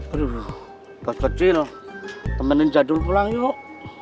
aduh pas kecil temenin jadul pulang yuk